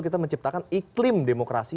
kita menciptakan iklim demokrasi